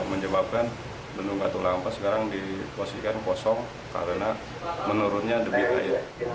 itu menyebabkan bendung katulampa sekarang diposikan kosong karena menurunnya depit air